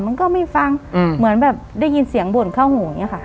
มันก็ไม่ฟังเหมือนแบบได้ยินเสียงบ่นเข้าหูอย่างนี้ค่ะ